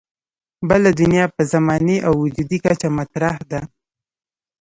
بله دنیا په زماني او وجودي کچه مطرح ده.